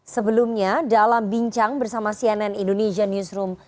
sebelumnya dalam bincang bersama cnn indonesia newsroom